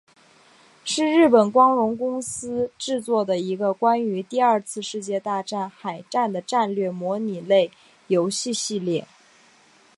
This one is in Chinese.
是日本光荣公司制作的一个关于第二次世界大战海战的战略模拟类游戏系列。